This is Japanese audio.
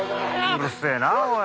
うるせえなあおい。